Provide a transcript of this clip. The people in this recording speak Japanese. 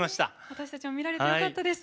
私たちも見られてよかったです。